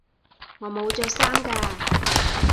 我冇着衫㗎